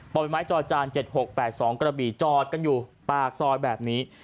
ไม้จอจาน๗๖๘๒กระบี่จอดกันอยู่ปากซอยแบบนี้